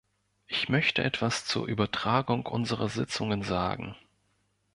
Ich möchte etwas zur Übertragung unserer Sitzungen sagen.